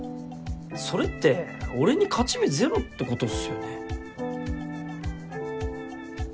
それって俺に勝ち目ゼロってことっすよね。